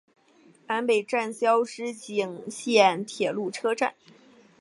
坂北站筱之井线铁路车站。